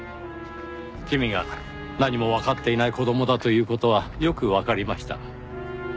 君が何もわかっていない子供だという事はよくわかりました。